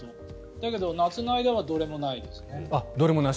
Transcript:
だけど、夏の間はどれもないですね。